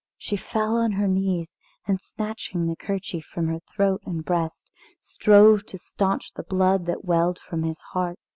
She fell on her knees, and snatching the kerchief from her throat and breast, strove to stanch the blood that welled from his heart.